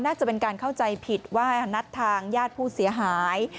น่าจะเป็นการเข้าใจผิดว่านัดทางญาติผู้เสียหาย